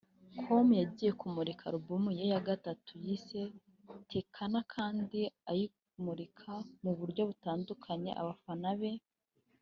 com ko agiye kumurika album ye ya gatatu yise “Tekana” kandi akayimurika mu buryo butunguye abafana be